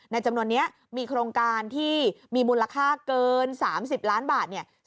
จำนวนนี้มีโครงการที่มีมูลค่าเกิน๓๐ล้านบาทเนี่ย